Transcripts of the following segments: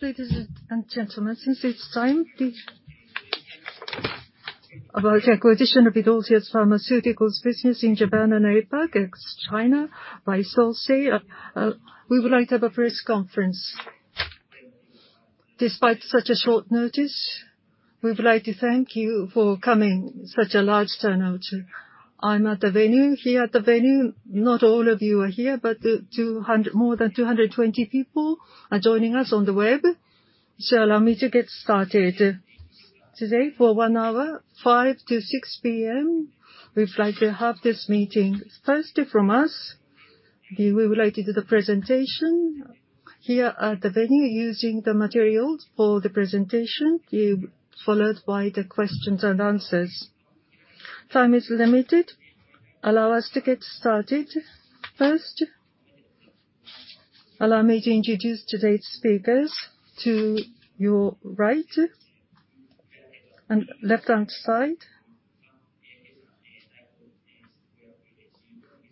Ladies and gentlemen, since it's time, please. About acquisition of Idorsia's Pharmaceuticals business in Japan and APAC, ex-China, by Sosei. We would like to have a press conference. Despite such a short notice, we would like to thank you for coming, such a large turnout. I'm at the venue. Here at the venue, not all of you are here, but more than 220 people are joining us on the web. Allow me to get started. Today, for one hour, 5:00 P.M. to 6:00 P.M., we'd like to have this meeting. First from us, we would like to do the presentation here at the venue, using the materials for the presentation. Followed by the questions and answers. Time is limited. Allow us to get started. First, allow me to introduce today's speakers. To your right, and left-hand side,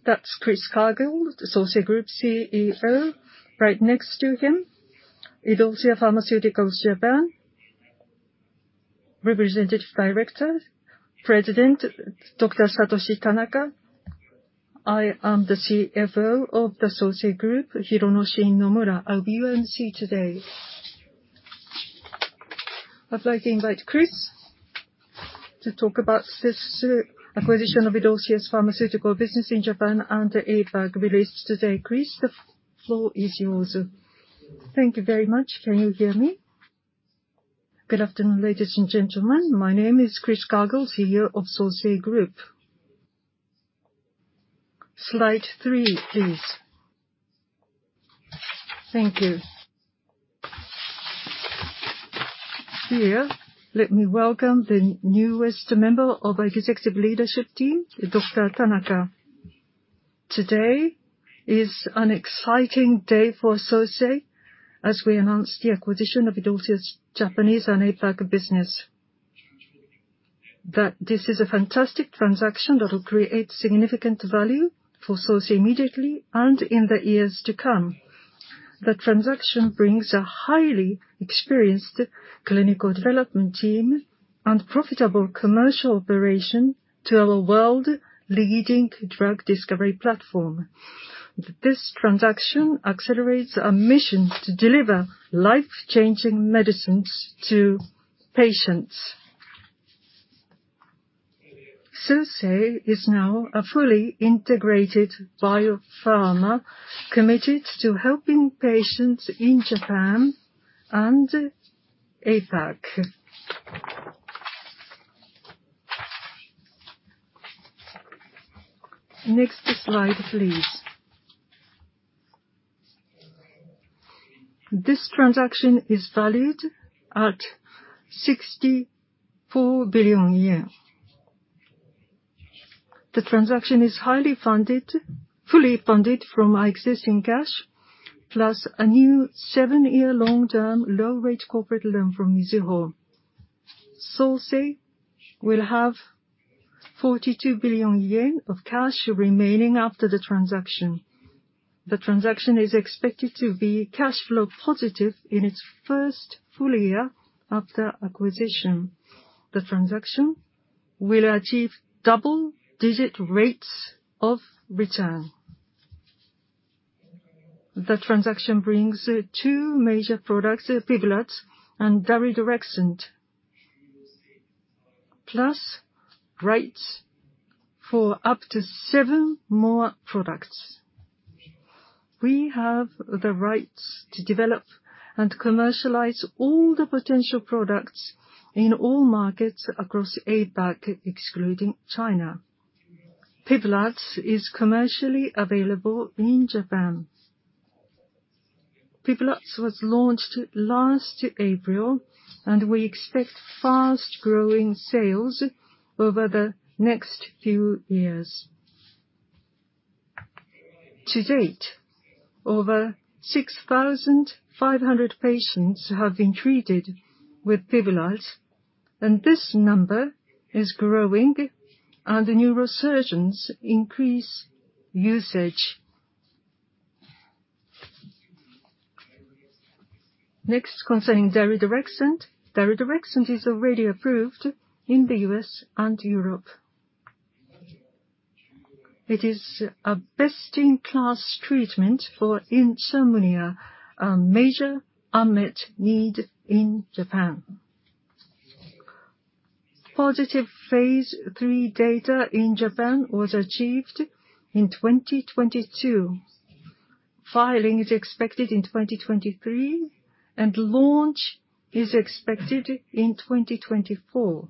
that's Chris Cargill, Sosei CEO. Right next to him, Idorsia Pharmaceuticals Japan Representative Director, President Satoshi Tanaka. I am the CFO of Sosei Group, Hironoshin Nomura. I'll be MC today. I'd like to invite Chris to talk about this acquisition of Idorsia's Pharmaceutical business in Japan and APAC, released today. Chris, the floor is yours. Thank you very much. Can you hear me? Good afternoon, ladies and gentlemen. My name is Chris Cargill, CEO of Sosei Group. Slide 3, please. Thank you. Here, let me welcome the newest member of our executive leadership team, Dr. Tanaka. Today is an exciting day for Sosei, as we announce the acquisition of Idorsia's Japanese and APAC business. This is a fantastic transaction that will create significant value for Sosei immediately and in the years to come. The transaction brings a highly experienced clinical development team and profitable commercial operation to our world-leading drug discovery platform. This transaction accelerates our mission to deliver life-changing medicines to patients. Sosei is now a fully integrated biopharma, committed to helping patients in Japan and APAC. Next slide, please. This transaction is valued at 64 billion yen. The transaction is highly funded, fully funded from our existing cash, plus a new seven-year long-term, low-rate corporate loan from Mizuho. Sosei will have 42 billion yen of cash remaining after the transaction. The transaction is expected to be cash flow positive in its first full year after acquisition. The transaction will achieve double-digit rates of return. The transaction brings two major products, PIVLAZ and daridorexant, plus rights for up to seven more products. We have the rights to develop and commercialize all the potential products in all markets across APAC, excluding China. PIVLAZ is commercially available in Japan. PIVLAZ was launched last April, and we expect fast-growing sales over the next few years. To date, over 6,500 patients have been treated with PIVLAZ, and this number is growing and new researchers increase usage. Next, concerning daridorexant. Daridorexant is already approved in the US and Europe. It is a best-in-class treatment for insomnia, a major unmet need in Japan. Positive phase III data in Japan was achieved in 2022. Filing is expected in 2023. Launch is expected in 2024.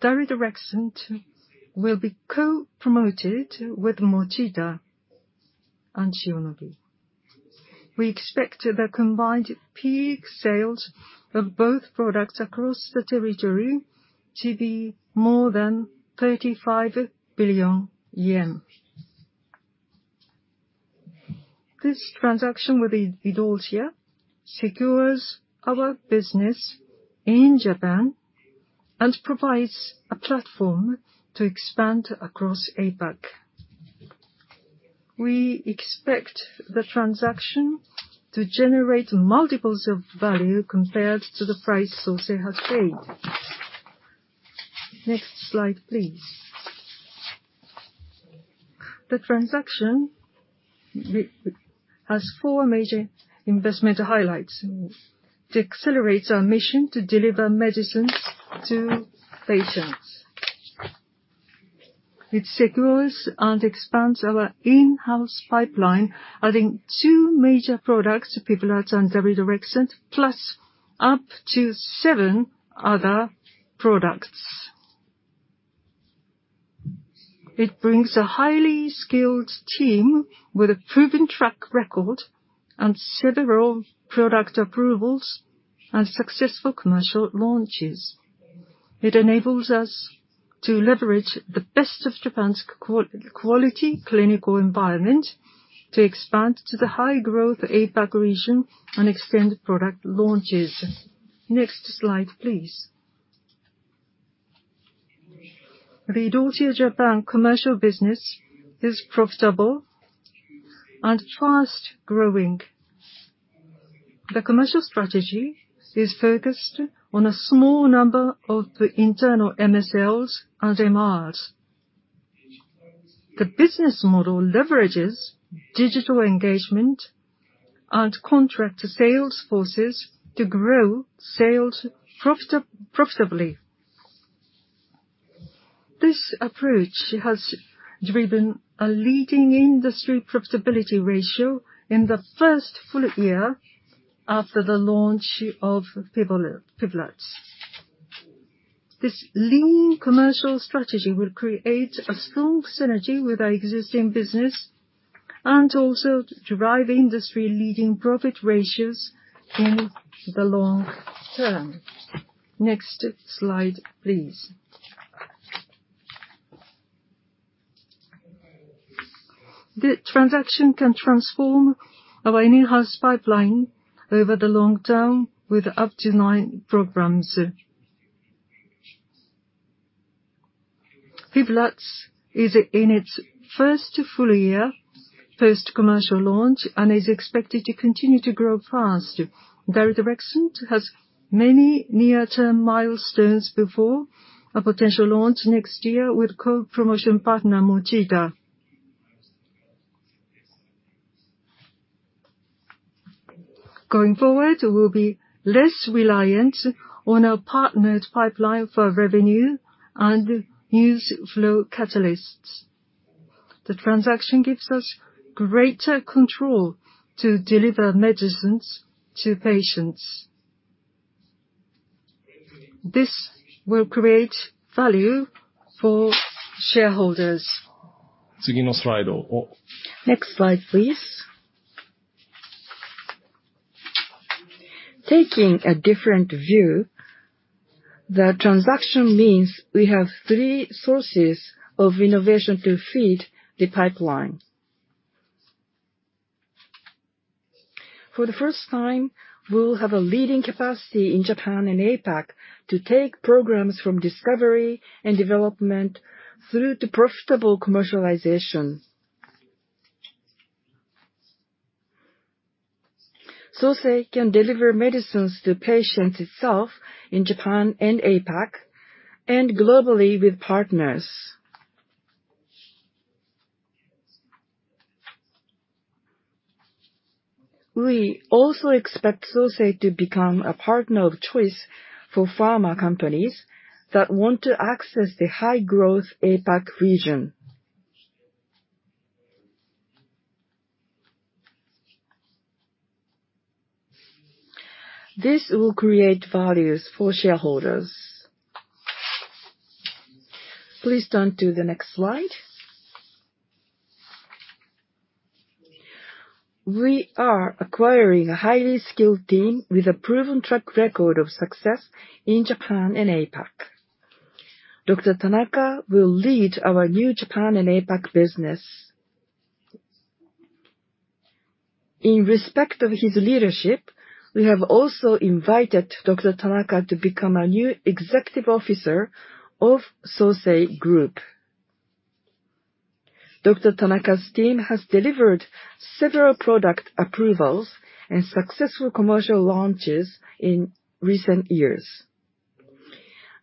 Daridorexant will be co-promoted with Mochida and Shionogi. We expect the combined peak sales of both products across the territory to be more than 35 billion yen. This transaction with Idorsia secures our business in Japan and provides a platform to expand across APAC. We expect the transaction to generate multiples of value compared to the price Sosei has paid. Next slide, please. The transaction has four major investment highlights. To accelerate our mission to deliver medicines to patients. It secures and expands our in-house pipeline, adding two major products, PIVLAZ and daridorexant, plus up to seven other products. It brings a highly skilled team with a proven track record and several product approvals and successful commercial launches. It enables us to leverage the best of Japan's quality clinical environment to expand to the high growth APAC region and extend product launches. Next slide, please. The Idorsia Japan commercial business is profitable and fast-growing. The commercial strategy is focused on a small number of the internal MSLs and MRs. The business model leverages digital engagement and contract to sales forces to grow sales profitably. This approach has driven a leading industry profitability ratio in the first full year after the launch of PIVLAZ. This lean commercial strategy will create a strong synergy with our existing business, also drive industry-leading profit ratios in the long term. Next slide, please. The transaction can transform our in-house pipeline over the long term with up to nine programs. PIVLAZ is in its first full year post-commercial launch, is expected to continue to grow fast. Daridorexant has many near-term milestones before a potential launch next year with co-promotion partner, Mochida. Going forward, we'll be less reliant on our partnered pipeline for revenue and news flow catalysts. The transaction gives us greater control to deliver medicines to patients. This will create value for shareholders. Next slide, please. Taking a different view, the transaction means we have three sources of innovation to feed the pipeline. For the first time, we will have a leading capacity in Japan and APAC to take programs from discovery and development through to profitable commercialization. Sosei can deliver medicines to patients itself in Japan and APAC, and globally with partners. We also expect Sosei to become a partner of choice for pharma companies that want to access the high-growth APAC region. This will create values for shareholders. Please turn to the next slide. We are acquiring a highly skilled team with a proven track record of success in Japan and APAC. Dr. Tanaka will lead our new Japan and APAC business. In respect of his leadership, we have also invited Dr. Tanaka to become a new executive officer of Sosei Group. Dr. Tanaka's team has delivered several product approvals and successful commercial launches in recent years.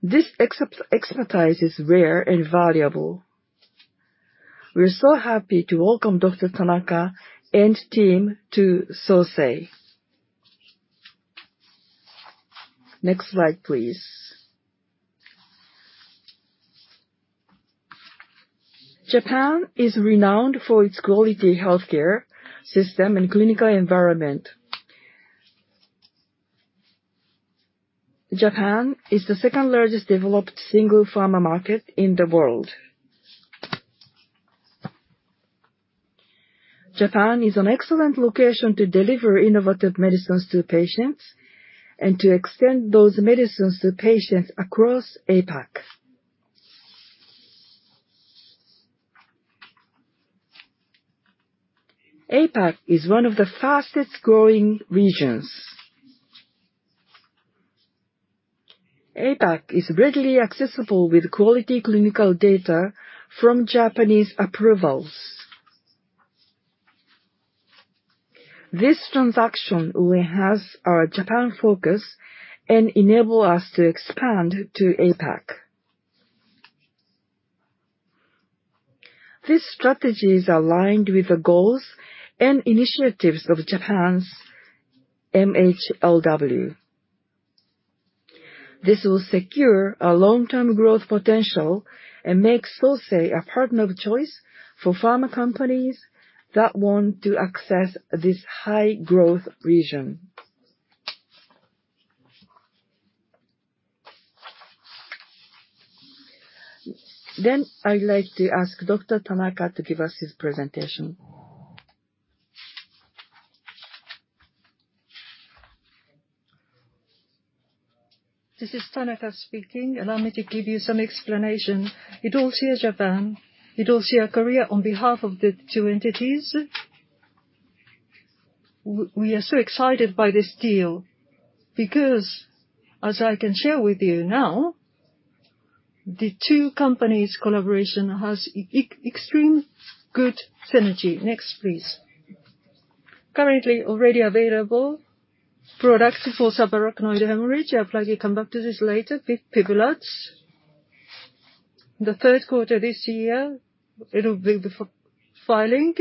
This expertise is rare and valuable. We're so happy to welcome Dr. Tanaka and team to Sosei. Next slide, please. Japan is renowned for its quality healthcare system and clinical environment. Japan is the second largest developed single pharma market in the world. Japan is an excellent location to deliver innovative medicines to patients, and to extend those medicines to patients across APAC. APAC is one of the fastest growing regions. APAC is readily accessible with quality clinical data from Japanese approvals. This transaction will enhance our Japan focus and enable us to expand to APAC. These strategies are aligned with the goals and initiatives of Japan's MHLW. This will secure a long-term growth potential and make Sosei a partner of choice for pharma companies that want to access this high-growth region. I'd like to ask Dr. Tanaka to give us his presentation. This is Tanaka speaking. Allow me to give you some explanation. Idorsia Japan, Idorsia Korea, on behalf of the two entities, we are so excited by this deal, because as I can share with you now, the two companies' collaboration has extreme good synergy. Next, please. Currently, already available products for subarachnoid hemorrhage. I'd like to come back to this later, with PIVLAZ. The third quarter this year, it'll be the filing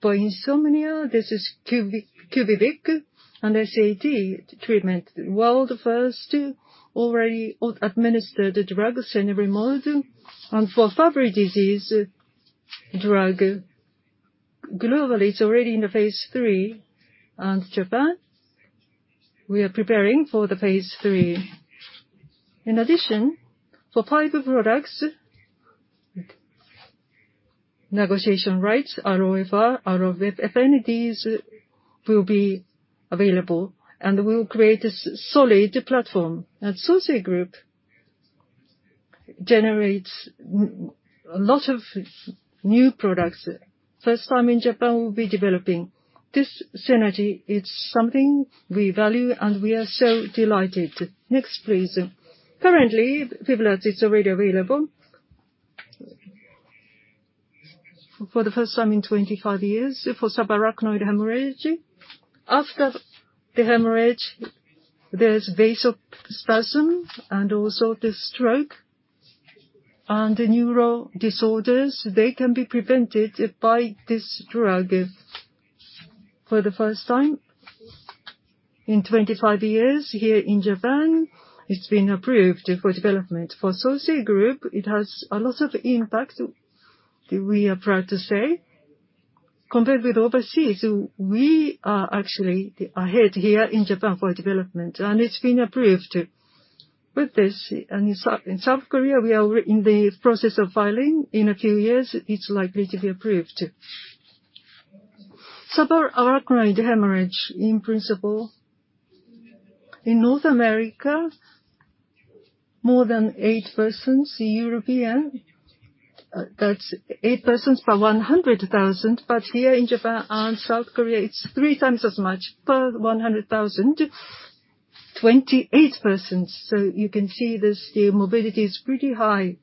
for insomnia. This is QUVIVIQ, and SAD treatment. World first, already administered the drug, cenerimod. For Fabry disease drug, globally, it's already in the phase III, and Japan, we are preparing for the phase III. In addition, for pipe products, negotiation rights, ROFR, ROF, if any of these will be available, we'll create a solid platform. Sosei Group generates a lot of new products. First time in Japan, we'll be developing. This synergy is something we value, and we are so delighted. Next, please. Currently, PIVLAZ is already available for the first time in 25 years for subarachnoid hemorrhage. After the hemorrhage, there's vasospasm and also the stroke and the neural disorders, they can be prevented by this drug. For the first time in 25 years, here in Japan, it's been approved for development. For Sosei Group, it has a lot of impact, we are proud to say. Compared with overseas, we are actually ahead here in Japan for development, and it's been approved. With this, in South Korea, we are in the process of filing. In a few years, it's likely to be approved. Subarachnoid hemorrhage, in principle, in North America, more than eight persons, European, that's eight persons per 100,000, but here in Japan and South Korea, it's 3x as much, per 100,000, 28 persons. You can see this, the morbidity is pretty high.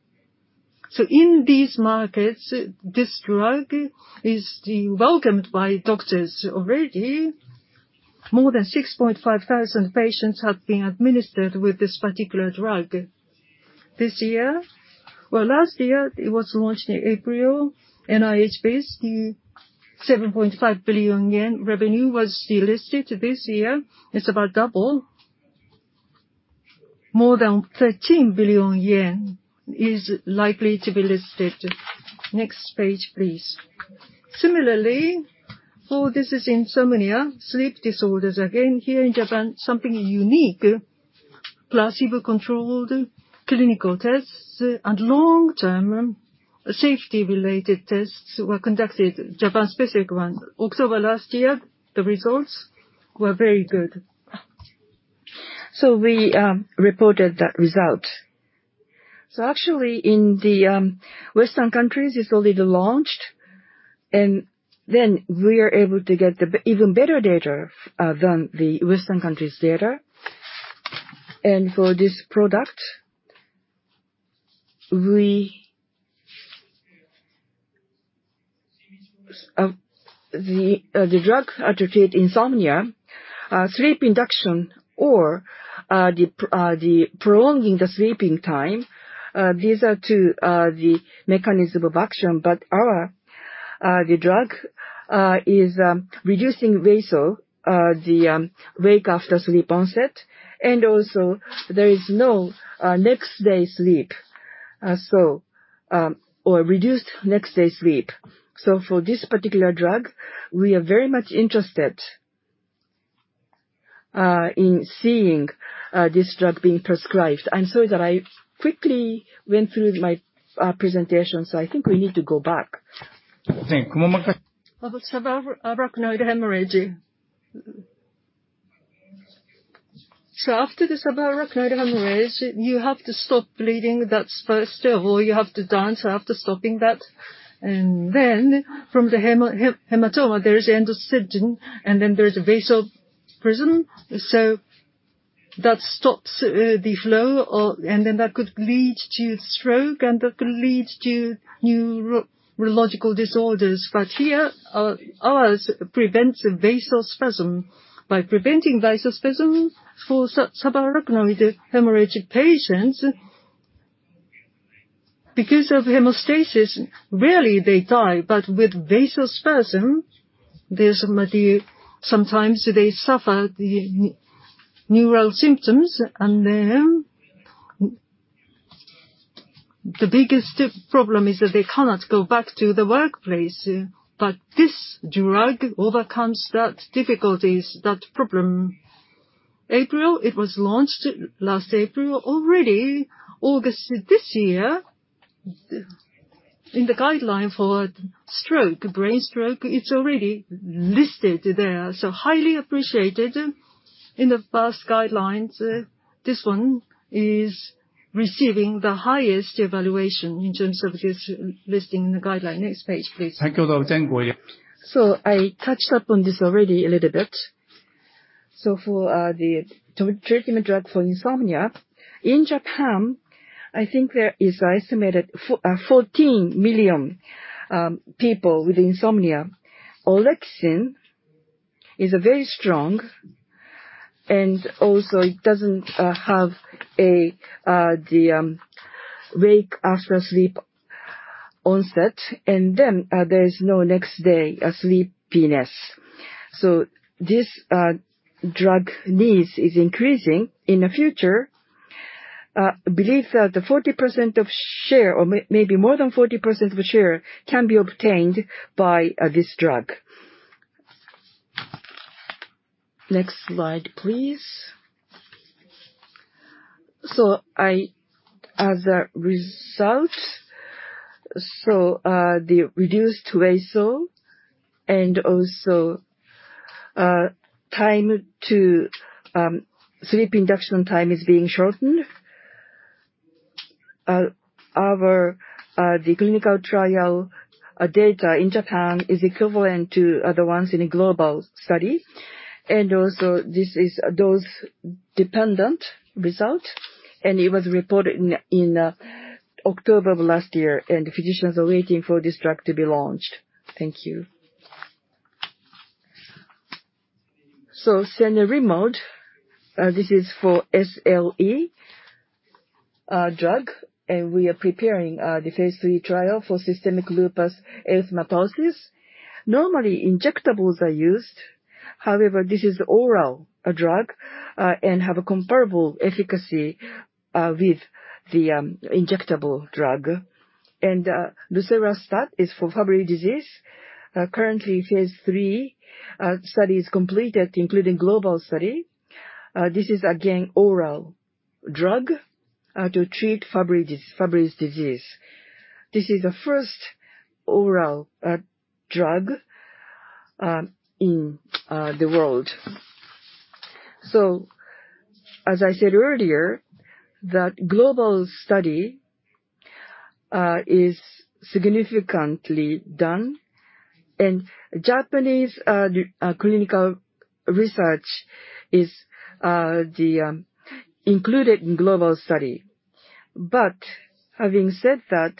In these markets, this drug is being welcomed by doctors. Already, more than 6,500 patients have been administered with this particular drug. Well, last year, it was launched in April, and NHI's new 7.5 billion yen revenue was listed. This year, it's about double. More than 13 billion yen is likely to be listed. Next page, please. For this is insomnia, sleep disorders. Here in Japan, something unique. Placebo-controlled clinical tests and long-term safety-related tests were conducted, Japan-specific ones. October last year, the results were very good. We reported that result. Actually, in the Western countries, it's already launched, and then we are able to get even better data than the Western countries' data. For this product, we the drug allocate insomnia, sleep induction or prolonging the sleeping time, these are two the mechanism of action, but our drug is reducing WASO, the wake after sleep onset, and also there is no next day sleep. Or reduced next day sleep. For this particular drug, we are very much interested in seeing this drug being prescribed. I'm sorry that I quickly went through my presentation, so I think we need to go back. Of subarachnoid hemorrhage. After the subarachnoid hemorrhage, you have to stop bleeding. That's first of all, you have to dance after stopping that. From the hematoma, there is endothelin, and then there is vasopressin. That stops the flow or, and then that could lead to stroke, and that could lead to neurological disorders. Here, ours prevents vasospasm. By preventing vasospasm for subarachnoid hemorrhagic patients, because of hemostasis, rarely they die. With vasospasm, there's maybe sometimes they suffer the neural symptoms, and then the biggest problem is that they cannot go back to the workplace. This drug overcomes that difficulties, that problem. April, it was launched last April. August this year, the, in the guideline for stroke, brain stroke, it's already listed there. Highly appreciated in the first guidelines. This one is receiving the highest evaluation in terms of its listing in the guideline. Next page, please. Thank you, Dr. Tanaka. I touched up on this already a little bit. For the treatment drug for insomnia, in Japan, I think there is estimated 14 million people with insomnia. Orexin is a very strong, and also it doesn't have the Wake After Sleep Onset, and then there is no next day sleepiness. This drug needs is increasing. In the future, I believe that the 40% of share, or maybe more than 40% of share, can be obtained by this drug. Next slide, please. As a result, the reduced WASO and also time to sleep induction time is being shortened. However, the clinical trial data in Japan is equivalent to other ones in a global study, this is a dose-dependent result, it was reported in October of last year, physicians are waiting for this drug to be launched. Thank you. Cenerimod, this is for SLE drug, we are preparing the phase III trial for systemic lupus erythematosus. Normally, injectables are used, however, this is oral drug, have a comparable efficacy with the injectable drug. Lucerastat is for Fabry disease. Currently, phase III study is completed, including global study. This is again, oral drug, to treat Fabry disease. This is the first oral drug in the world. As I said earlier, that global study is significantly done, and Japanese clinical research is included in global study. Having said that,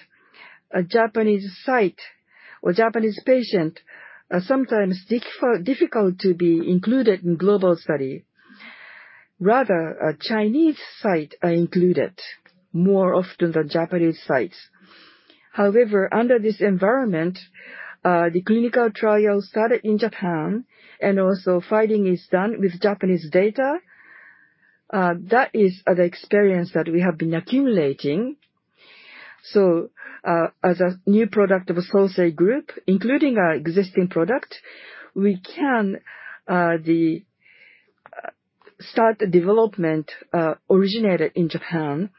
a Japanese site or Japanese patient are sometimes difficult to be included in global study. Rather, a Chinese site are included more often than Japanese sites. However, under this environment, the clinical trial started in Japan, and also filing is done with Japanese data. That is the experience that we have been accumulating. As a new product of the Sosei Group, including our existing product, we can start the development originated in Japan,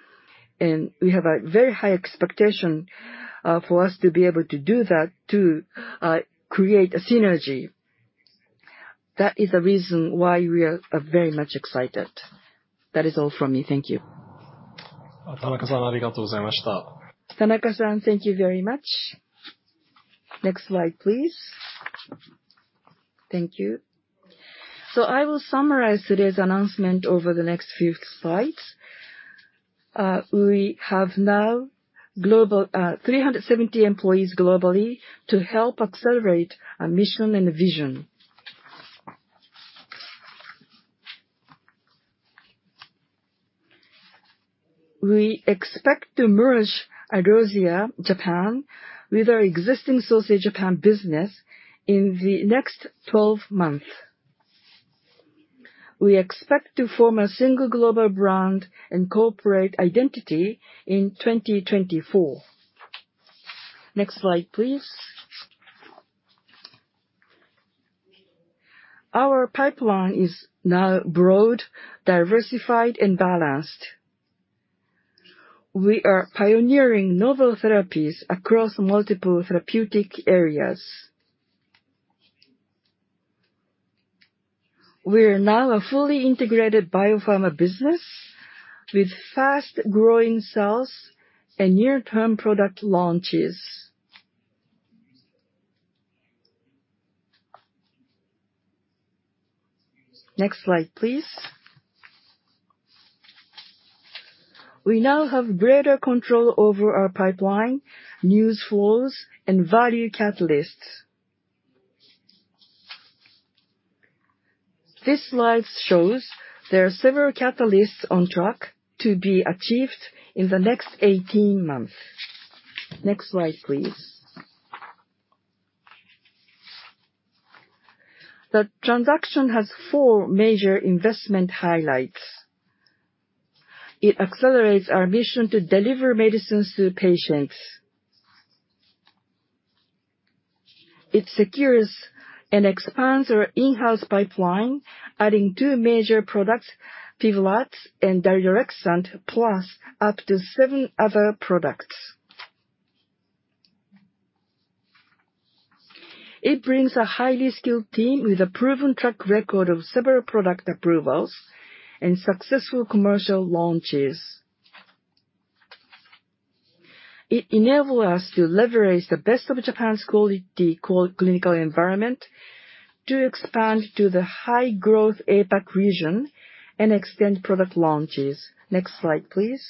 and we have a very high expectation for us to be able to do that, to create a synergy. That is the reason why we are very much excited. That is all from me. Thank you. Tanaka-san, thank you very much. Next slide, please. Thank you. I will summarize today's announcement over the next few slides. We have now 370 employees globally to help accelerate our mission and vision. We expect to merge Idorsia Japan with our existing Sosei Japan business in the next 12 months. We expect to form a single global brand and corporate identity in 2024. Next slide, please. Our pipeline is now broad, diversified, and balanced. We are pioneering novel therapies across multiple therapeutic areas. We are now a fully integrated biopharma business with fast-growing sales and near-term product launches. Next slide, please. We now have greater control over our pipeline, news flows, and value catalysts. This slide shows there are several catalysts on track to be achieved in the next 18 months. Next slide, please. The transaction has four major investment highlights. It accelerates our mission to deliver medicines to patients. It secures and expands our in-house pipeline, adding two major products, PIVLAZ and daridorexant, plus up to seven other products. It brings a highly skilled team with a proven track record of several product approvals and successful commercial launches. It enable us to leverage the best of Japan's quality clinical environment to expand to the high-growth APAC region and extend product launches. Next slide, please.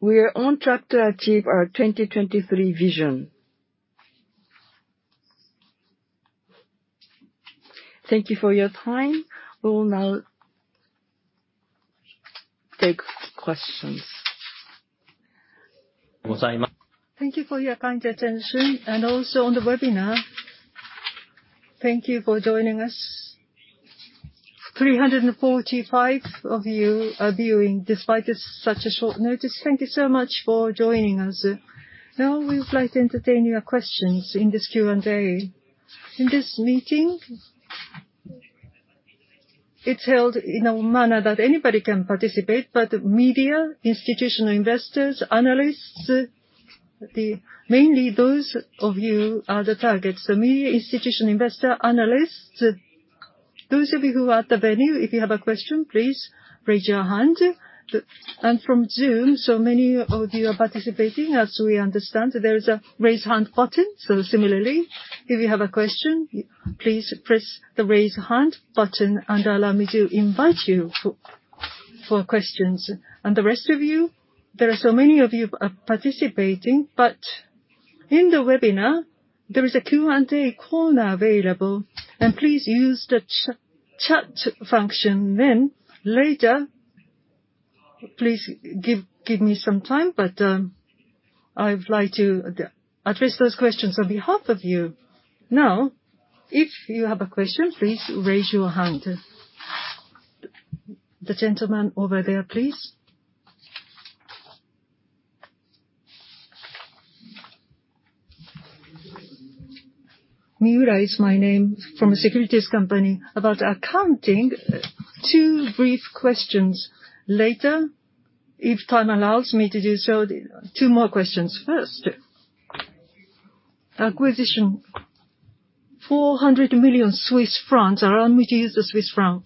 We are on track to achieve our 2023 vision. Thank you for your time. We will now take questions. Thank you for your kind attention. Also on the webinar, thank you for joining us. 345 of you are viewing, despite this such a short notice. Thank you so much for joining us. We would like to entertain your questions in this Q&A. In this meeting, it's held in a manner that anybody can participate, media, institutional investors, analysts, mainly those of you are the targets. The media, institutional investor, analysts, those of you who are at the venue, if you have a question, please raise your hand. From Zoom, so many of you are participating. As we understand, there is a Raise Hand button. Similarly, if you have a question, please press the Raise Hand button, and allow me to invite you for questions. The rest of you, there are so many of you are participating, but in the webinar, there is a Q&A corner available, and please use the Chat function. Later, please give me some time, but I would like to address those questions on behalf of you. If you have a question, please raise your hand. The gentleman over there, please. Miura is my name, from a securities company. About accounting, two brief questions. Later, if time allows me to do so, two more questions. First, acquisition, 400 million Swiss francs. Allow me to use the Swiss franc.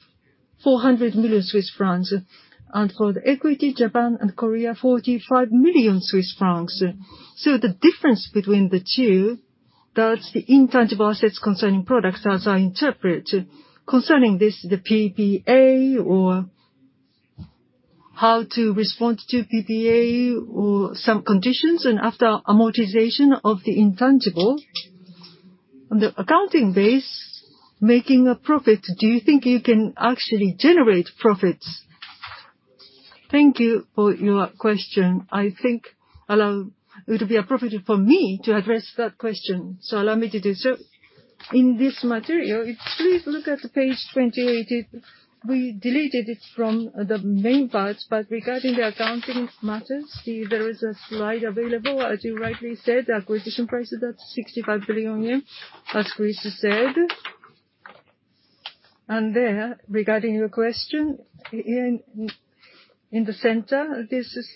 400 million Swiss francs, and for the equity, Japan and Korea, 45 million Swiss francs. The difference between the two, that's the intangible assets concerning products, as I interpret. Concerning this, the PPA or how to respond to PPA or some conditions, and after amortization of the intangible, on the accounting base, making a profit, do you think you can actually generate profits? Thank you for your question. I think allow it would be appropriate for me to address that question, so allow me to do so. In this material, if please look at page 28. We deleted it from the main part, but regarding the accounting matters, there is a slide available. As you rightly said, the acquisition price is at 65 billion yen, as Chris said. There, regarding your question, in the center, this is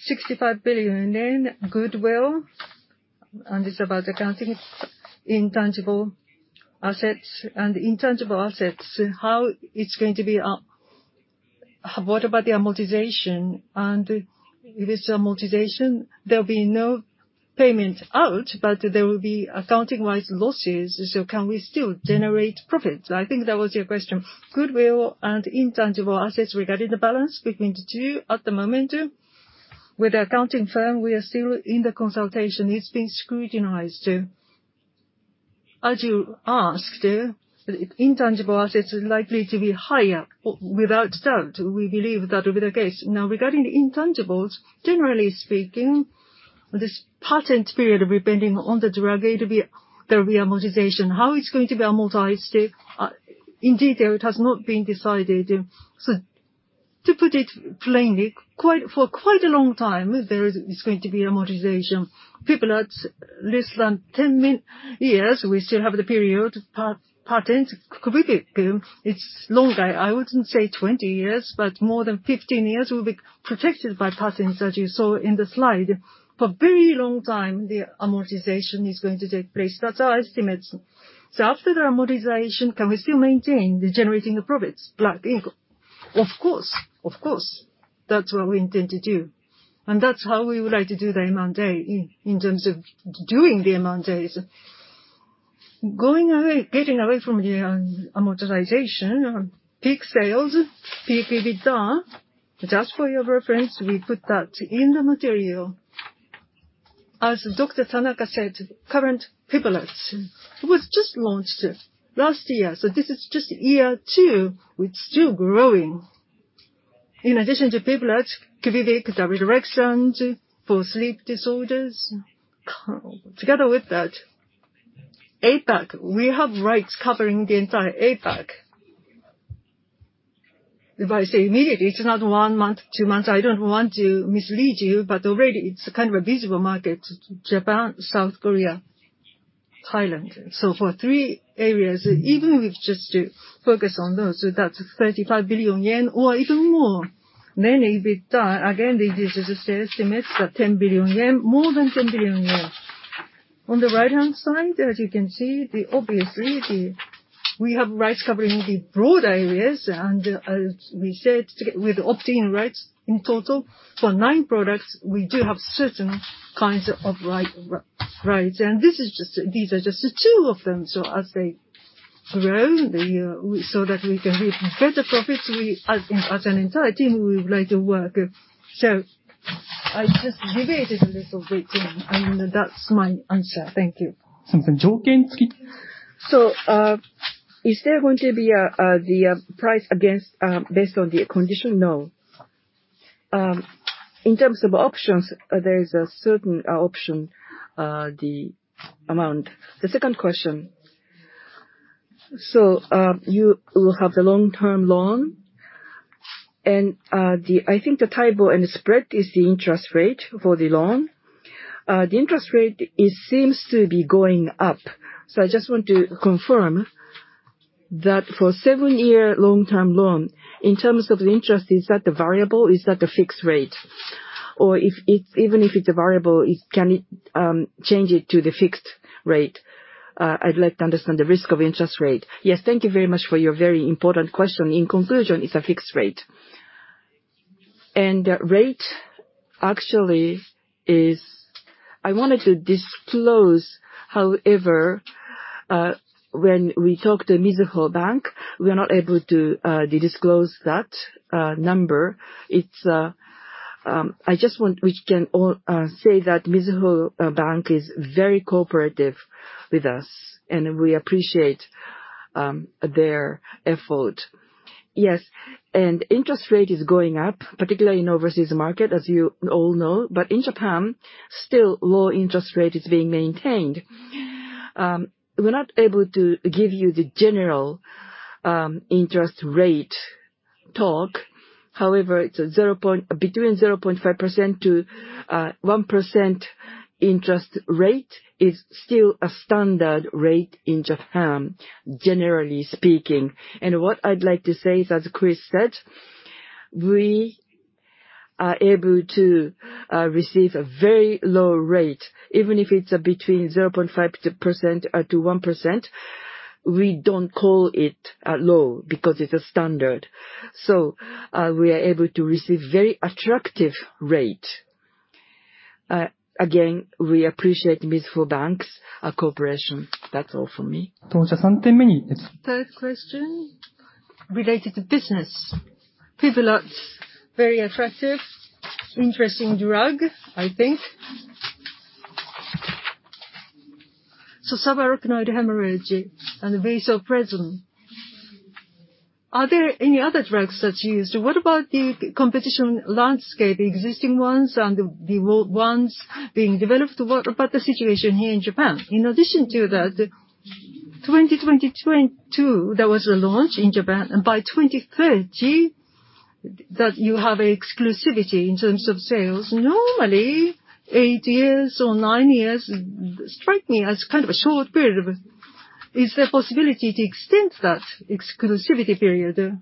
65 billion yen goodwill, and it's about accounting intangible assets. Intangible assets, how it's going to be, What about the amortization? With this amortization, there'll be no payment out, but there will be accounting-wise losses, so can we still generate profits? I think that was your question. Goodwill and intangible assets, regarding the balance between the two at the moment, with the accounting firm, we are still in the consultation. It's being scrutinized. As you asked, intangible assets is likely to be higher. Without doubt, we believe that will be the case. Regarding the intangibles, generally speaking, this patent period, depending on the drug, there will be amortization. How it's going to be amortized in detail, it has not been decided. To put it plainly, for quite a long time, there is going to be amortization. PIVLAZ, less than 10 years, we still have the period patent. QUVIVIQ, it's longer. I wouldn't say 20 years, but more than 15 years will be protected by patents, as you saw in the slide. For very long time, the amortization is going to take place. That's our estimates. After the amortization, can we still maintain generating the profits, profit, income? Of course, that's what we intend to do, and that's how we would like to do the M&A. In terms of doing the M&As. Going away, getting away from the amortization, peak sales, peak EBITDA, just for your reference, we put that in the material. As Dr. Tanaka said, current PIVLAZ was just launched last year, so this is just year two. It's still growing. In addition to PIVLAZ, QUVIVIQ, daridorexant for sleep disorders. Together with that, APAC, we have rights covering the entire APAC. If I say immediately, it's not one month, two months, I don't want to mislead you, but already it's kind of a visible market, Japan, South Korea, Thailand. For three areas, even if we just focus on those, that's 35 billion yen or even more. EBITDA, again, this is just estimates, but 10 billion yen, more than 10 billion yen. On the right-hand side, as you can see, the obviously, the we have rights covering the broad areas, and as we said, together with obtaining rights in total for nine products, we do have certain kinds of right, rights. This is just, these are just two of them. As they grow, the, we... That we can reap better profits, we, as an entire team, we would like to work. I just deviated a little bit, and that's my answer. Thank you. Is there going to be a the price against based on the condition? No. In terms of options, there is a certain option the amount. The second question, you will have the long-term loan, and I think the table and the spread is the interest rate for the loan. The interest rate, it seems to be going up,I just want to confirm that for seven-year long-term loan, in terms of the interest, is that a variable, is that a fixed rate? If it's, even if it's a variable, it, can it change it to the fixed rate? I'd like to understand the risk of interest rate. Yes, thank you very much for your very important question. In conclusion, it's a fixed rate. Rate actually is... I wanted to disclose, however, when we talked to Mizuho Bank, we are not able to disclose that number. We can all say that Mizuho Bank is very cooperative with us. We appreciate their effort. Interest rate is going up, particularly in overseas market, as you all know. In Japan, still, low interest rate is being maintained. We're not able to give you the general interest rate talk. However, it's between 0.5%-1% interest rate is still a standard rate in Japan, generally speaking. What I'd like to say is, as Chris said, we are able to receive a very low rate, even if it's between 0.5%-1%, we don't call it low, because it's a standard. We are able to receive very attractive rate. Again, we appreciate Mizuho Bank's cooperation. That's all for me. Third question, related to business. PIVLAZ, very attractive, interesting drug, I think. Subarachnoid hemorrhage and vasopressin, are there any other drugs that's used? What about the competition landscape, the existing ones and the ones being developed? What about the situation here in Japan? In addition to that, 2022, there was a launch in Japan, and by 2030, that you have exclusivity in terms of sales. Normally, eight years or nine years strike me as kind of a short period. Is there a possibility to extend that exclusivity period?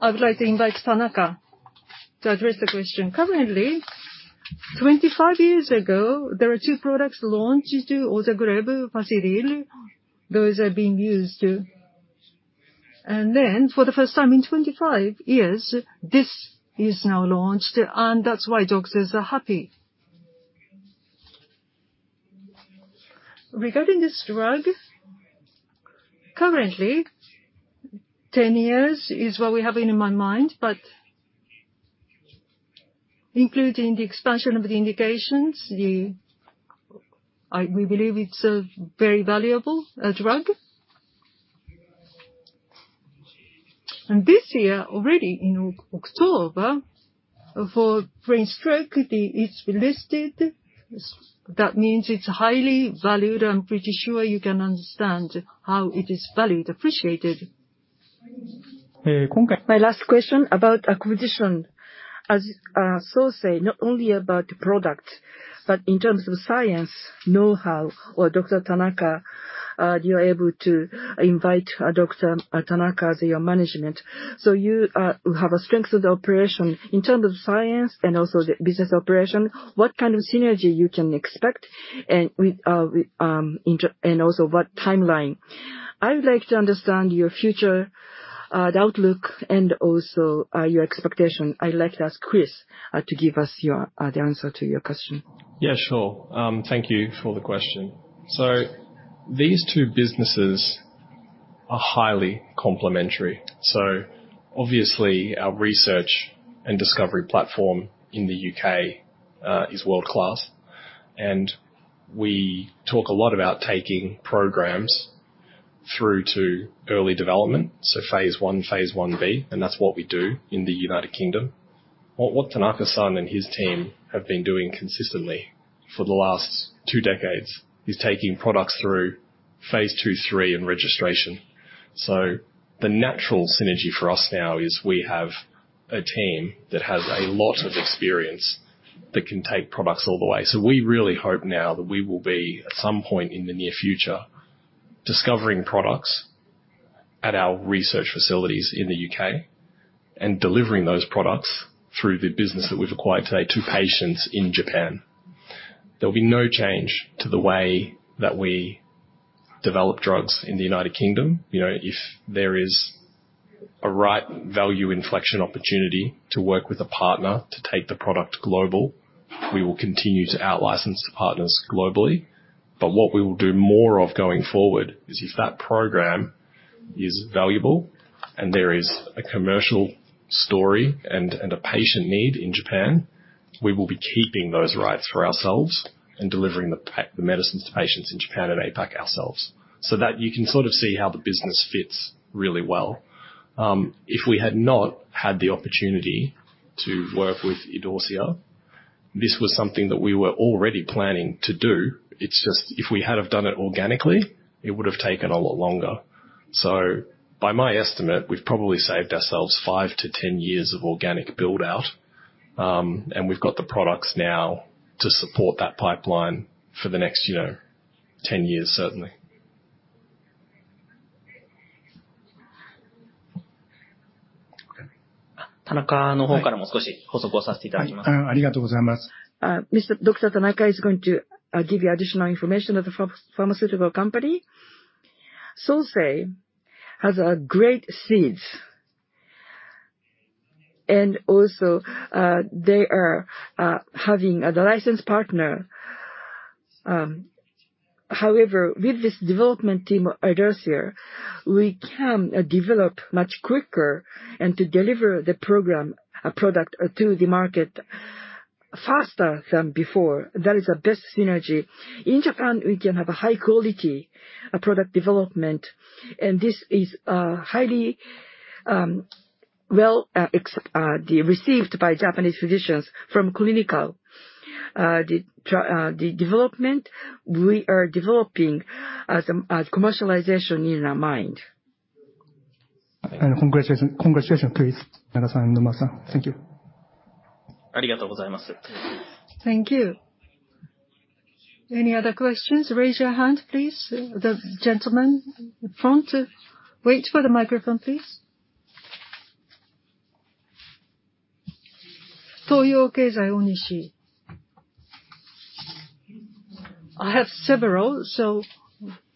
I would like to invite Tanaka to address the question. Currently, 25 years ago, there were two products launched, ozagrel, fasudil, those are being used. For the first time in 25 years, this is now launched, and that's why doctors are happy. Regarding this drug, currently, 10 years is what we have in my mind, but including the expansion of the indications, we believe it's a very valuable drug. This year, already in October, for brain stroke, it's listed. That means it's highly valued. I'm pretty sure you can understand how it is valued, appreciated. My last question about acquisition. As Sosei, not only about the product, but in terms of science know-how, or Dr. Tanaka, you are able to invite Dr. Tanaka as your management. You have a strength of the operation in terms of science and also the business operation, what kind of synergy you can expect, and with what timeline? I would like to understand your future, the outlook and also your expectation. I'd like to ask Chris to give us your the answer to your question. Sure. Thank you for the question. These two businesses are highly complementary. Obviously, our research and discovery platform in the UK is world-class, and we talk a lot about taking programs through to early development, phase I, phase I-B, and that's what we do in the United Kingdom. What Tanaka-san and his team have been doing consistently for the last two decades, is taking products through phase II, III, and registration. The natural synergy for us now is we have a team that has a lot of experience that can take products all the way. We really hope now that we will be, at some point in the near future, discovering products at our research facilities in the UK and delivering those products through the business that we've acquired today to patients in Japan. There'll be no change to the way that we develop drugs in the United Kingdom. You know, if there is a right value inflection opportunity to work with a partner to take the product global, we will continue to out-license the partners globally. What we will do more of going forward is, if that program is valuable and there is a commercial story and a patient need in Japan, we will be keeping those rights for ourselves and delivering the medicines to patients in Japan and APAC ourselves. That you can sort of see how the business fits really well. If we had not had the opportunity to work with Idorsia, this was something that we were already planning to do. It's just, if we had have done it organically, it would have taken a lot longer. By my estimate, we've probably saved ourselves five to 10 years of organic build-out. We've got the products now to support that pipeline for the next, you know, 10 years, certainly. Dr. Tanaka is going to give you additional information of the pharmaceutical company. Sosei has a great seeds, also they are having a licensed partner. However, with this development team, Idorsia, we can develop much quicker and to deliver the program product to the market faster than before. That is the best synergy. In Japan, we can have a high quality product development, this is highly well received by Japanese physicians from clinical. The development, we are developing as commercialization in our mind. Congratulations. Congratulations, please, Tanaka-san, Nomura-san. Thank you. Thank you. Any other questions? Raise your hand, please. The gentleman in the front. Wait for the microphone, please. Toyo Keizai, Onishi. I have several, so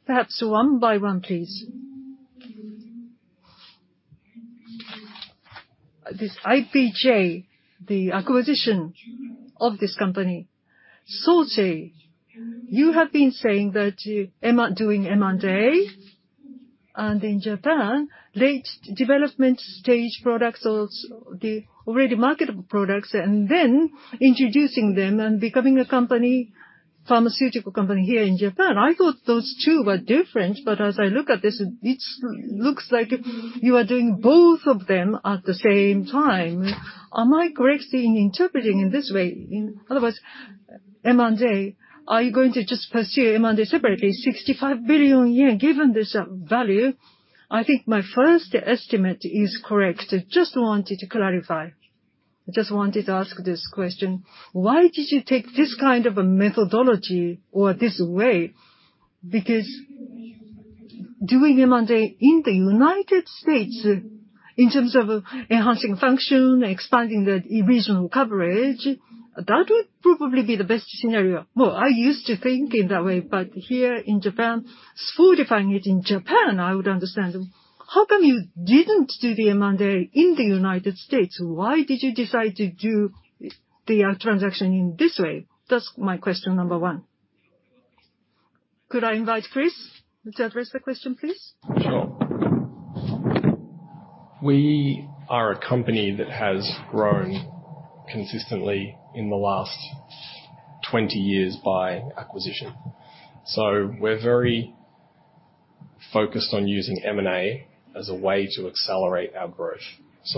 perhaps one by one, please. This IPJ, the acquisition of this company, Sosei, you have been saying that you am doing M&A, and in Japan, late development stage products or the already marketable products, and then introducing them and becoming a company, pharmaceutical company here in Japan. I thought those two were different, looks like you are doing both of them at the same time. Am I correct in interpreting in this way? In other words, M&A, are you going to just pursue M&A separately, 65 billion yen, given this value? I think my first estimate is correct. I just wanted to clarify. I just wanted to ask this question: Why did you take this kind of a methodology or this way? Doing M&A in the United States, in terms of enhancing function, expanding the regional coverage, that would probably be the best scenario. Well, I used to think in that way, but here in Japan, fortifying it in Japan, I would understand. How come you didn't do the M&A in the United States? Why did you decide to do the transaction in this way? That's my question number one. Could I invite Chris to address the question, please? Sure. We are a company that has grown consistently in the last 20 years by acquisition, we're very focused on using M&A as a way to accelerate our growth.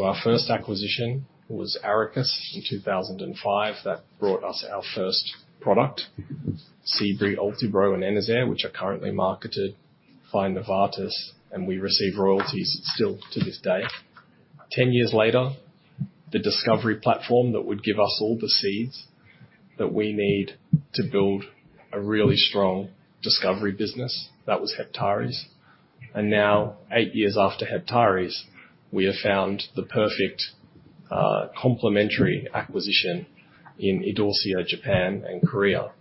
Our first acquisition was Arakis in 2005. That brought us our first product, Seebri, Ultibro, and Enerzair, which are currently marketed by Novartis, and we receive royalties still to this day. 10 years later, the discovery platform that would give us all the seeds that we need to build a really strong discovery business, that was Heptares. Now, eight years after Heptares, we have found the perfect complementary acquisition in Idorsia, Japan, and Korea,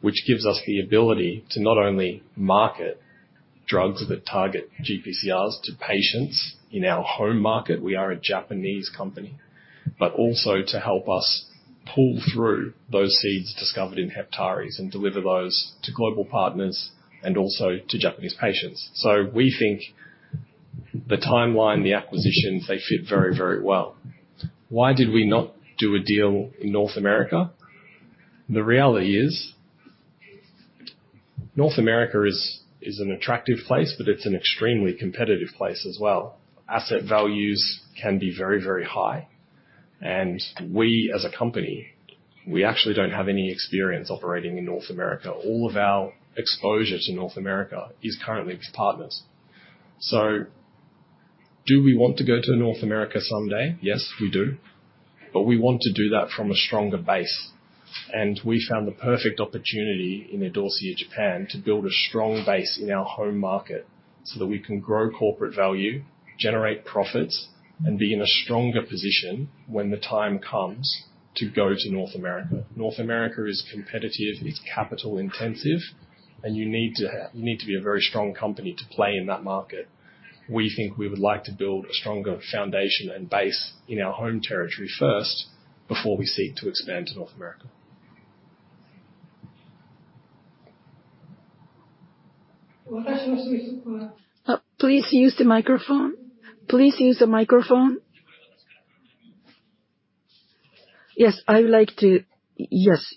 which gives us the ability to not only market drugs that target GPCRs to patients in our home market, we are a Japanese company. Also to help us pull through those seeds discovered in Heptares and deliver those to global partners and also to Japanese patients. We think the timeline, the acquisitions, they fit very, very well. Why did we not do a deal in North America? The reality is an attractive place, but it's an extremely competitive place as well. Asset values can be very, very high, and we, as a company, we actually don't have any experience operating in North America. All of our exposure to North America is currently with partners. Do we want to go to North America someday? Yes, we do, but we want to do that from a stronger base, and we found the perfect opportunity in Idorsia, Japan, to build a strong base in our home market so that we can grow corporate value, generate profits, and be in a stronger position when the time comes to go to North America. North America is competitive, it's capital intensive, and you need to be a very strong company to play in that market. We think we would like to build a stronger foundation and base in our home territory first, before we seek to expand to North America. Please use the microphone. Please use the microphone.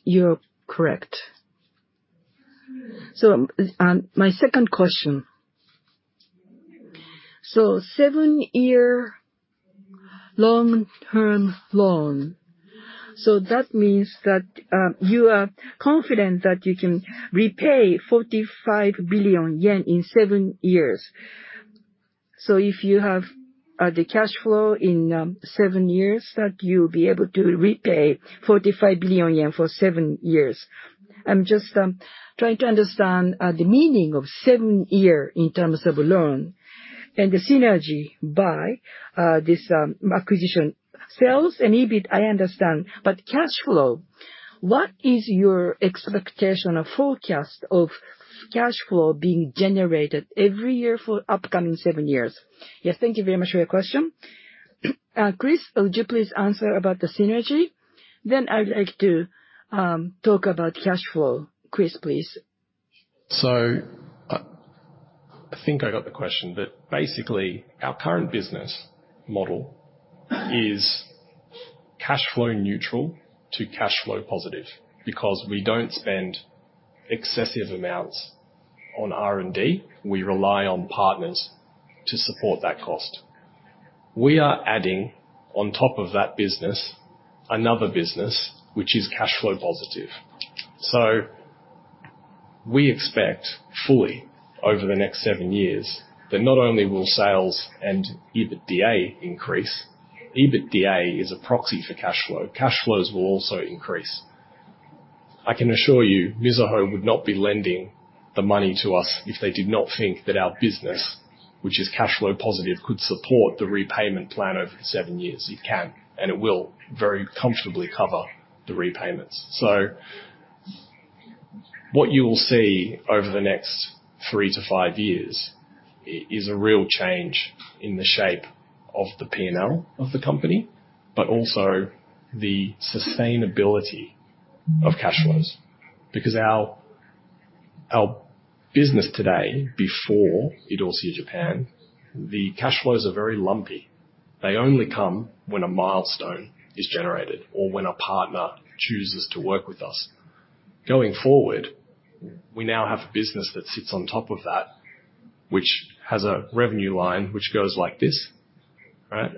You're correct. My second question: seven-year long-term loan, that means that you are confident that you can repay 45 billion yen in seven years. If you have the cash flow in seven years, that you'll be able to repay 45 billion yen for seven years. I'm just trying to understand the meaning of seven year in terms of a loan and the synergy by this acquisition. Sales and EBIT, I understand, cashflow, what is your expectation or forecast of cashflow being generated every year for upcoming seven years? Thank you very much for your question. Chris, would you please answer about the synergy? I would like to talk about cashflow. Chris, please. I think I got the question, but basically, our current business model is cashflow neutral to cashflow positive, because we don't spend excessive amounts on R&D. We rely on partners to support that cost. We are adding, on top of that business, another business, which is cashflow positive. We expect, fully, over the next seven years, that not only will sales and EBITDA increase, EBITDA is a proxy for cashflow, cashflows will also increase. I can assure you, Mizuho would not be lending the money to us if they did not think that our business, which is cashflow positive, could support the repayment plan over the seven years. It can, and it will very comfortably cover the repayments. What you will see over the next three to five years is a real change in the shape of the P&L of the company, but also the sustainability of cash flows. Our business today, before Idorsia, Japan, the cash flows are very lumpy. They only come when a milestone is generated or when a partner chooses to work with us. Going forward, we now have a business that sits on top of that, which has a revenue line which goes like this, right?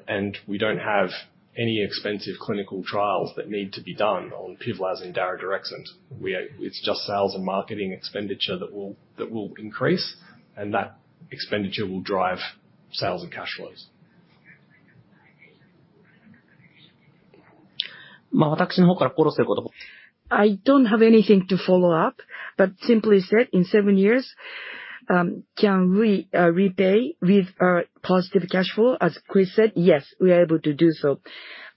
We don't have any expensive clinical trials that need to be done on PIVLAZ and daridorexant. It's just sales and marketing expenditure that will increase. That expenditure will drive sales and cash flows. I don't have anything to follow up, simply said, in seven years, can we repay with a positive cashflow? As Chris said, "Yes, we are able to do so."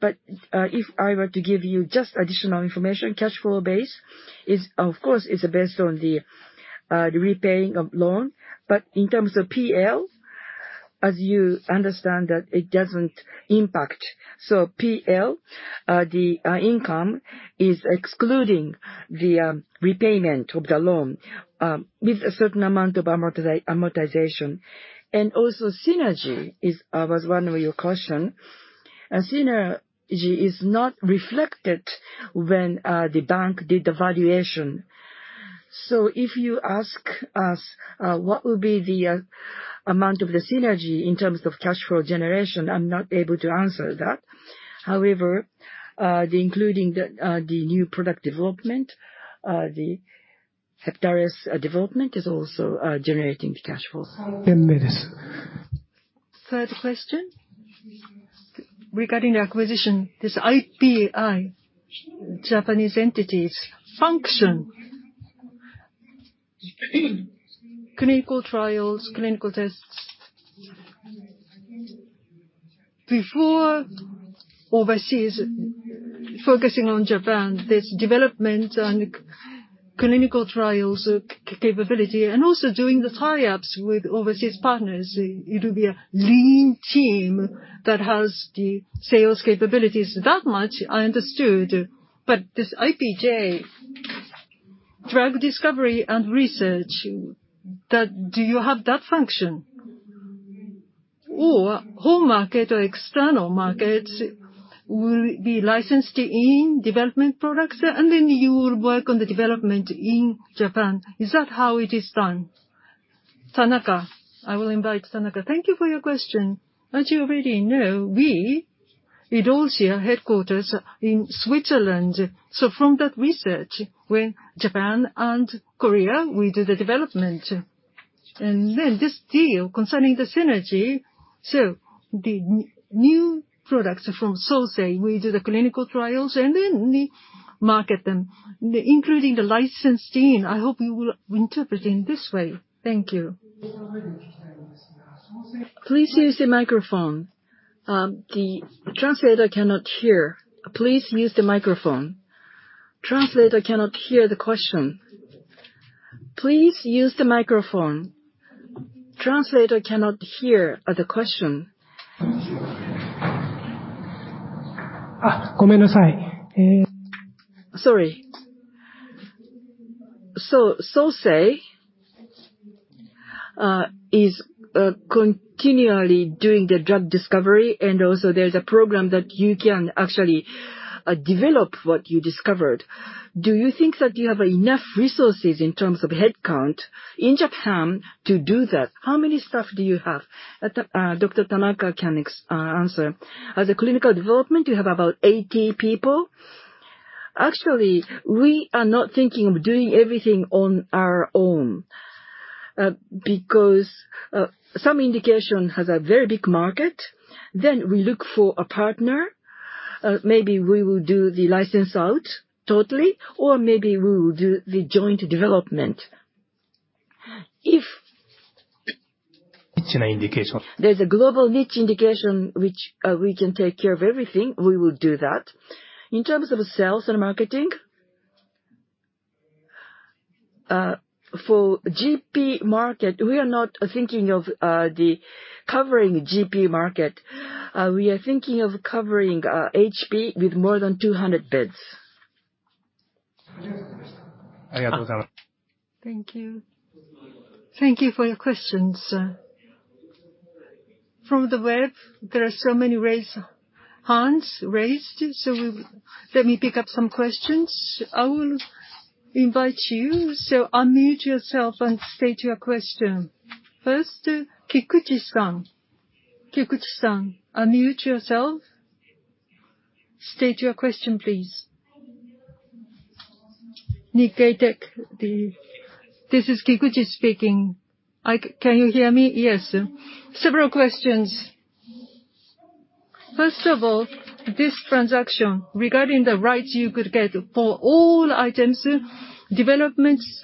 If I were to give you just additional information, cashflow base is, of course, it's based on the repaying of loan, but in terms of PL, as you understand, that it doesn't impact. PL, the income is excluding the repayment of the loan with a certain amount of amortization. Also synergy is was one of your question. Synergy is not reflected when the bank did the valuation. If you ask us what will be the amount of the synergy in terms of cashflow generation, I'm not able to answer that. The including the new product development, the Heptares development is also generating the cash flows. Third question. Regarding the acquisition, this IPJ, Japanese entities function-... clinical trials, clinical tests. Before overseas, focusing on Japan, there's development and clinical trials, capability, and also doing the tie-ups with overseas partners. It will be a lean team that has the sales capabilities. That much I understood, this IPJ, drug discovery and research, Do you have that function? Home market or external markets will be licensed in development products, and then you will work on the development in Japan. Is that how it is done? Tanaka. I will invite Tanaka. Thank you for your question. As you already know, we, Idorsia, headquarters in Switzerland. From that research, with Japan and Korea, we do the development. This deal concerning the synergy, so the new products are from Sosei. We do the clinical trials, and then we market them, including the licensed in. I hope you will interpret in this way. Thank you. Please use the microphone. The translator cannot hear. Please use the microphone. Translator cannot hear the question. Please use the microphone. Translator cannot hear the question. Ah, ...</u Sorry. Sosei is continually doing the drug discovery, and also there's a program that you can actually develop what you discovered. Do you think that you have enough resources in terms of headcount in Japan to do that? How many staff do you have? Dr. Tanaka can answer. As a clinical development, you have about 80 people. Actually, we are not thinking of doing everything on our own, because some indication has a very big market, then we look for a partner. Maybe we will do the license out totally, or maybe we will do the joint development. If- It's an indication. There's a global niche indication which we can take care of everything, we will do that. In terms of sales and marketing, for GP market, we are not thinking of the covering GP market. We are thinking of covering HP with more than 200 beds. Thank you. Thank you. Thank you for your questions, sir. From the web, there are so many hands raised, so Let me pick up some questions. I will invite you, so unmute yourself and state your question. First, Kikuchi-san. Kikuchi-san, unmute yourself. State your question, please. Nikkei Biotech, the... This is Kikuchi speaking. Can you hear me? Yes. Several questions. First of all, this transaction, regarding the rights you could get for all items, developments,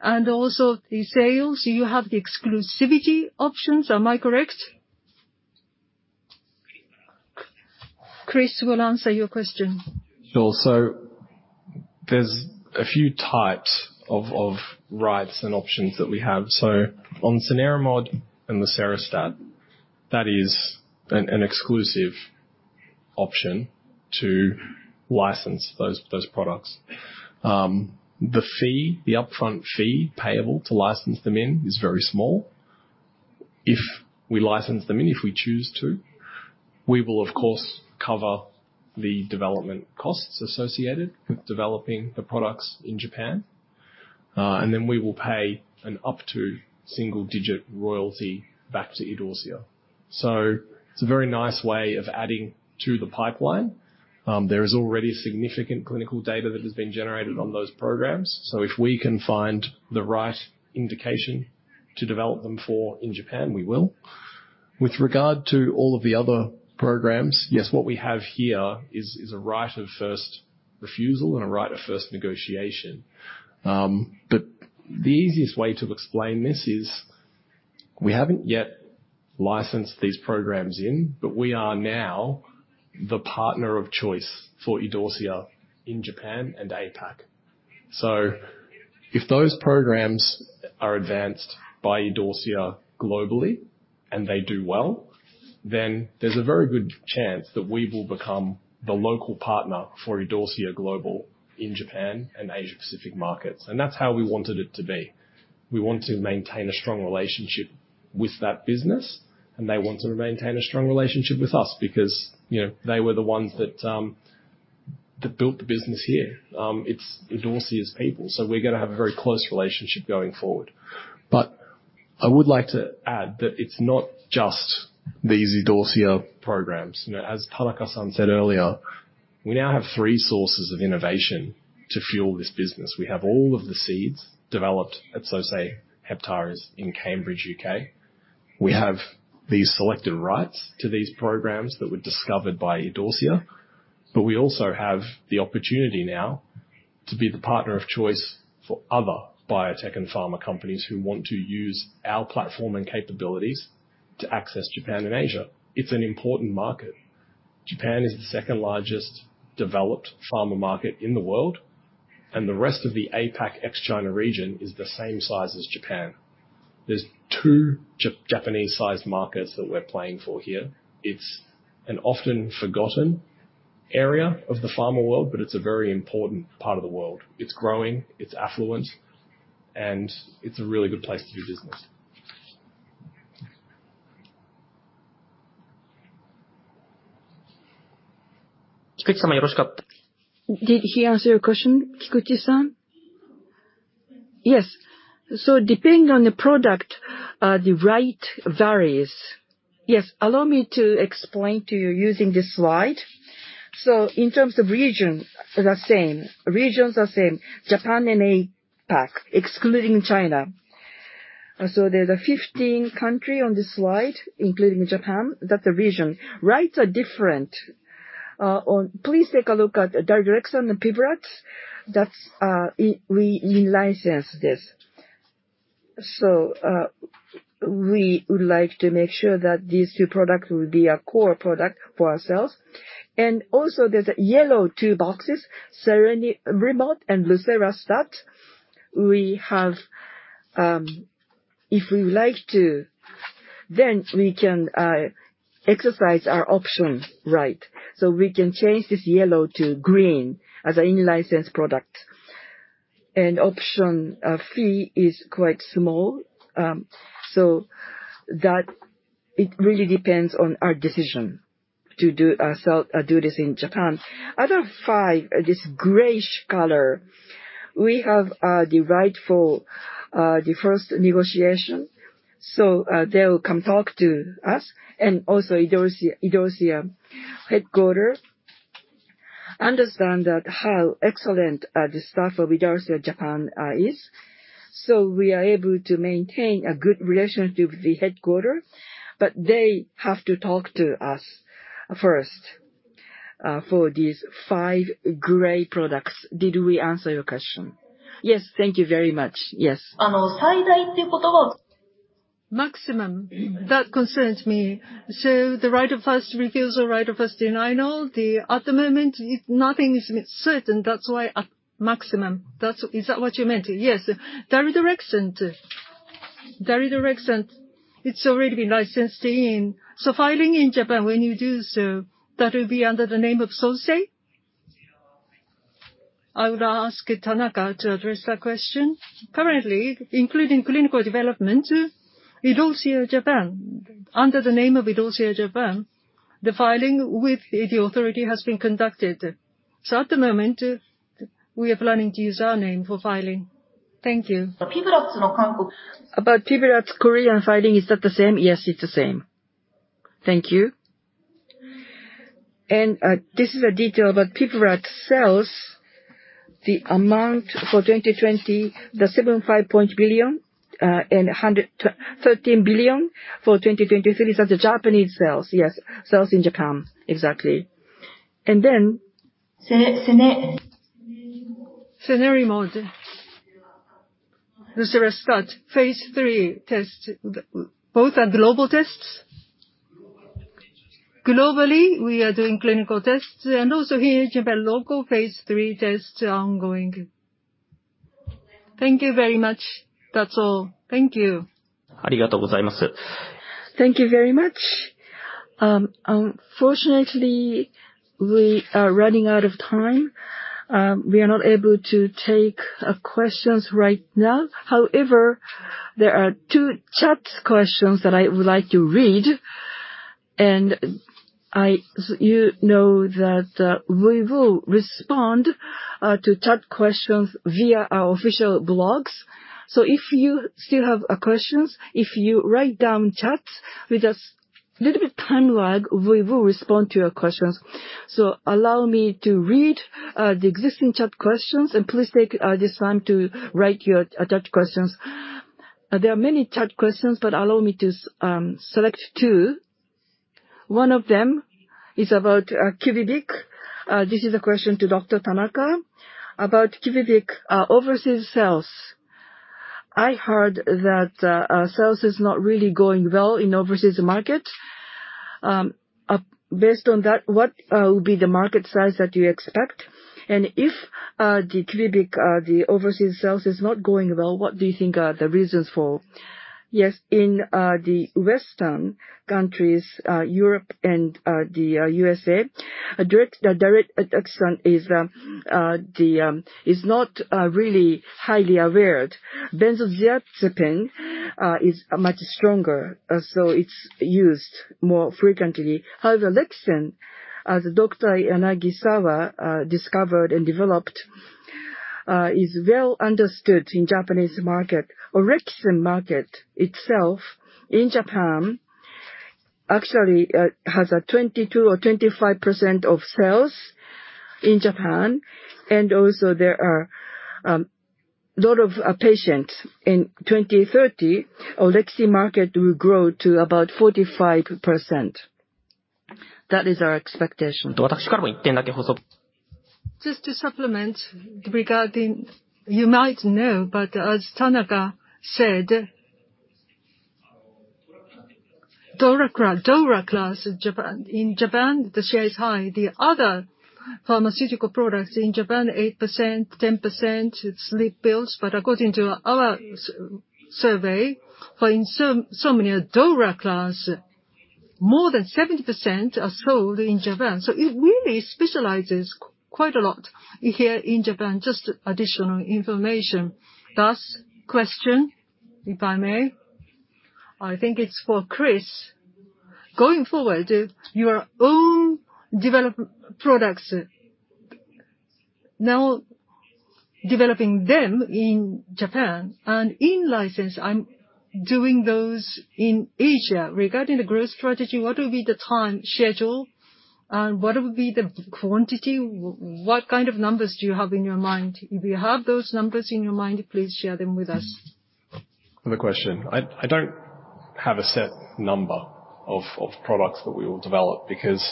and also the sales, you have the exclusivity options. Am I correct? Chris will answer your question. Sure. There's a few types of rights and options that we have. On the cenerimod and the lucerastat, that is an exclusive option to license those products. The fee, the upfront fee payable to license them in is very small. If we license them in, if we choose to, we will of course, cover the development costs associated with developing the products in Japan, and then we will pay an up to single-digit royalty back to Idorsia. It's a very nice way of adding to the pipeline. There is already significant clinical data that has been generated on those programs, so if we can find the right indication to develop them for in Japan, we will. With regard to all of the other programs, yes, what we have here is a right of first refusal and a right of first negotiation. The easiest way to explain this is, we haven't yet licensed these programs in, but we are now the partner of choice for Idorsia in Japan and APAC. If those programs are advanced by Idorsia globally, and they do well, then there's a very good chance that we will become the local partner for Idorsia in Japan and Asia Pacific markets. That's how we wanted it to be. We want to maintain a strong relationship with that business, and they want to maintain a strong relationship with us because, you know, they were the ones that built the business here. It's Idorsia's people, we're going to have a very close relationship going forward. I would like to add that it's not just these Idorsia programs. You know, as Tanaka-san said earlier, we now have three sources of innovation to fuel this business. We have all of the seeds developed at Sosei Heptares in Cambridge, U.K. We have these selected rights to these programs that were discovered by Idorsia, but we also have the opportunity now to be the partner of choice for other biotech and pharma companies who want to use our platform and capabilities to access Japan and Asia. It's an important market. Japan is the second largest developed pharma market in the world, and the rest of the APAC ex-China region is the same size as Japan. There's two Japanese-sized markets that we're playing for here. It's an often forgotten area of the pharma world, but it's a very important part of the world. It's growing, it's affluent, and it's a really good place to do business. Did he answer your question, Kikuchi-san? Yes. Depending on the product, the right varies. Allow me to explain to you using this slide. In terms of region, the same. Regions are same, Japan and APAC, excluding China. There's a 15 country on this slide, including Japan. That's the region. Rights are different. Please take a look at the daridorexant and PIVLAZ. That's, we in-license this. We would like to make sure that these two products will be a core product for ourselves. Also, there's a yellow two boxes, cenerimod and lucerastat. We have, if we would like to, then we can exercise our option right. We can change this yellow to green as an in-license product. Option fee is quite small, so that it really depends on our decision to sell, do this in Japan. Other 5, this grayish color, we have the right for the first negotiation. They'll come talk to us and also Idorsia headquarter. Understand that how excellent the staff of Idorsia Japan is, so we are able to maintain a good relationship with the headquarter, but they have to talk to us first for these five gray products. Did we answer your question? Yes, thank you very much. Yes. Maximum, that concerns me. The right of first refusal, right of first denial. At the moment, nothing is certain, that's why a maximum. Is that what you meant? Yes. Daridorexant, it's already been licensed in. Filing in Japan, when you do so, that will be under the name of Sosei? I would ask Tanaka to address that question. Currently, including clinical development, Idorsia Japan. Under the name of Idorsia Japan, the filing with the authority has been conducted. At the moment, we are planning to use our name for filing. Thank you. About PIVLAZ, Korean filing, is that the same? Yes, it's the same. Thank you. This is a detail about PIVLAZ sales. The amount for 2020, 7.5 billion, and 113 billion for 2023. These are the Japanese sales, yes, sales in Japan. Exactly. Cenerimod, lucerastat, phase III test, both are global tests. Globally, we are doing clinical tests, and also here in Japan, local phase III tests are ongoing. Thank you very much. That's all. Thank you. Thank you very much. Unfortunately, we are running out of time. We are not able to take, questions right now. However, there are two chat questions that I would like to read, and I, you know that, we will respond, to chat questions via our official blogs. If you still have, questions, if you write down chats with just little bit time lag, we will respond to your questions. Allow me to read, the existing chat questions, and please take, this time to write your, chat questions. There are many chat questions, but allow me to, select two. One of them is about, QUVIVIQ. This is a question to Dr. Tanaka about QUVIVIQ, overseas sales. I heard that, our sales is not really going well in overseas market. Based on that, what will be the market size that you expect? If the QUVIVIQ the overseas sales is not going well, what do you think are the reasons for? Yes, in the Western countries, Europe and the U.S.A, the direct extension is not really highly awared. Benzodiazepine is much stronger, so it's used more frequently. However, Orexin, as Masashi Yanagisawa discovered and developed, is well understood in Japanese market. Orexin market itself in Japan actually has a 22% or 25% of sales in Japan, and also there are lot of patients. In 2030, Orexin market will grow to about 45%. That is our expectation. Just to supplement regarding, you might know, but as Tanaka said, DORA class in Japan. In Japan, the share is high. The other pharmaceutical products in Japan, 8%, 10%, sleep pills, according to our survey, for in so many DORA class, more than 70% are sold in Japan. It really specializes quite a lot here in Japan. Just additional information. Question, if I may, I think it's for Chris. Going forward, your own developed products, now developing them in Japan and in-license, I'm doing those in Asia. Regarding the growth strategy, what will be the time schedule, and what will be the quantity? What kind of numbers do you have in your mind? If you have those numbers in your mind, please share them with us. Good question. I don't have a set number of products that we will develop, because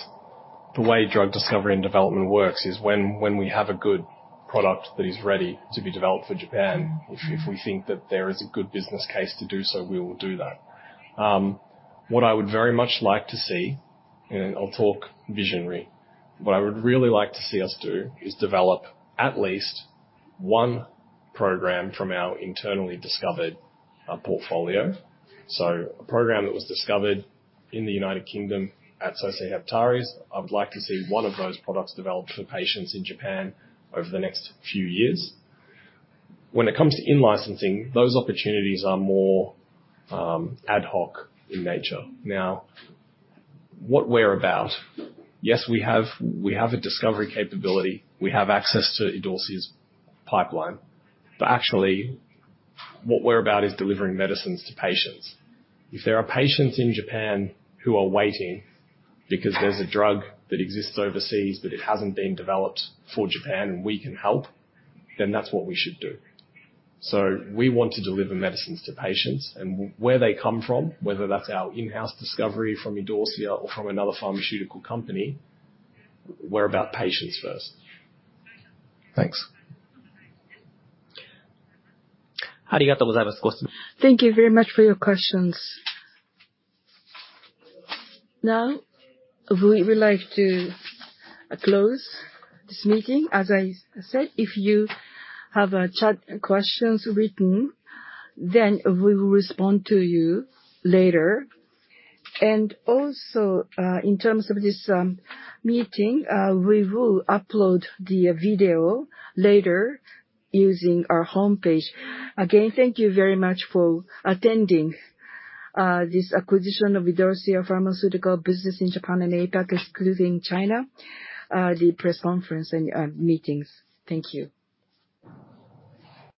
the way drug discovery and development works is when we have a good product that is ready to be developed for Japan, if we think that there is a good business case to do so, we will do that. What I would very much like to see, and I'll talk visionary, what I would really like to see us do, is develop at least one program from our internally discovered portfolio. So a program that was discovered in the United Kingdom at Sosei Heptares. I would like to see one of those products developed for patients in Japan over the next few years. When it comes to in-licensing, those opportunities are more ad hoc in nature. Yes, we have a discovery capability. Actually, what we're about is delivering medicines to patients. If there are patients in Japan who are waiting because there's a drug that exists overseas, but it hasn't been developed for Japan, and we can help, then that's what we should do. We want to deliver medicines to patients, and where they come from, whether that's our in-house discovery from Idorsia or from another pharmaceutical company, we're about patients first. Thanks. Thank you very much for your questions. We would like to close this meeting. As I said, if you have a chat, questions written, we will respond to you later. In terms of this meeting, we will upload the video later using our homepage. Again, thank you very much for attending this acquisition of Idorsia Pharmaceuticals business in Japan and APAC, excluding China, the press conference and meetings. Thank you.